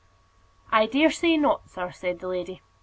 "I dare say not, sir," said the lady.